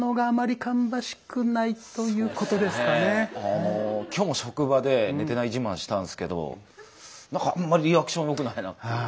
あの今日も職場で寝てない自慢したんすけどなんかあんまりリアクション良くないなって。